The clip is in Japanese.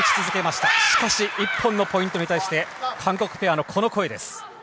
しかし１本ポイントに対して韓国ペアのこの声です。